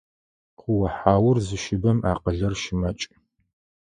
Куохьаур зыщыбэм акъылыр щымакӏ.